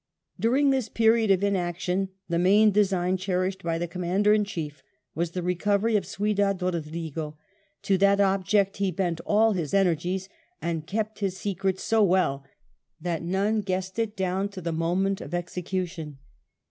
During this period of inaction the main design cher ished by the Commander in Chief was the recovery of Ciu dad Eodrigo. To that object he bent all his energies, and kept his secret so well that none guessed it down to the moment of execution.